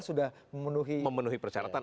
sudah memenuhi memenuhi persyaratan